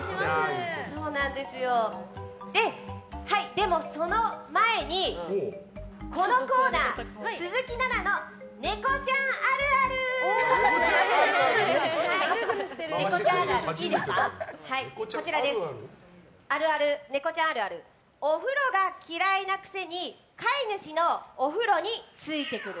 でも、その前に、このコーナー鈴木奈々のネコちゃんあるある！お風呂が嫌いなくせに飼い主のお風呂についてくる！